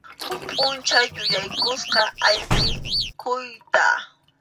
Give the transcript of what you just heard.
Huk pʼunchaw yuyaykusqa ayqikuyta.